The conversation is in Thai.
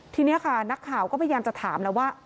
ทีนี้ค่ะนักข่าวก็พยายามจะถามแล้วว่า